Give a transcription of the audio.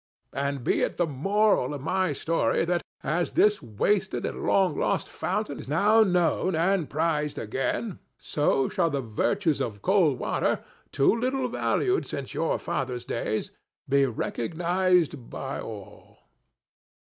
And be it the moral of my story that, as this wasted and long lost fountain is now known and prized again, so shall the virtues of cold water—too little valued since your fathers' days—be recognized by all.